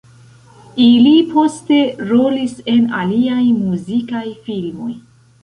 Ili poste rolis en aliaj muzikaj filmoj.